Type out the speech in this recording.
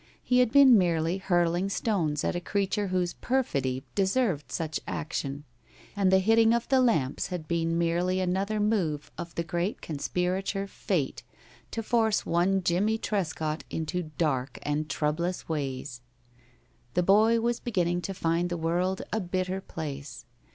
He had been merely hurling stones at a creature whose perfidy deserved such action, and the hitting of the lamps had been merely another move of the great conspirator Fate to force one Jimmie Trescott into dark and troublous ways. The boy was beginning to find the world a bitter place.